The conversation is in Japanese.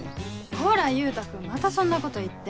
こら優太君またそんなこと言って。